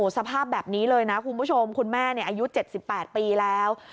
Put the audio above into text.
สภาพแบบนี้เลยนะคุณผู้ชมคุณแม่อายุ๗๘ปีแล้ว